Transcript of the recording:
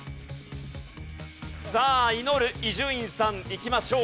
さあ祈る伊集院さん。いきましょう。